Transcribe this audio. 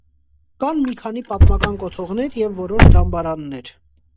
Կան մի քանի պատմական կոթողներ և որոշ դամբարաններ։